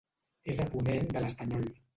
És a ponent de l'Estanyol.